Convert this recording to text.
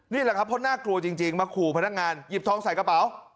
นี่แหละครับเพราะน่ากลัวจริงมาขู่พนักงานหยิบทองใส่กระเป๋า